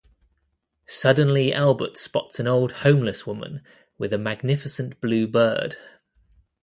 Suddenly Albert spots an old homeless woman with a magnificent blue bird.